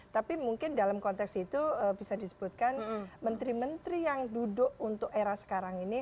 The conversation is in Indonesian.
tapi mungkin dalam konteks itu bisa disebutkan menteri menteri yang duduk untuk era sekarang ini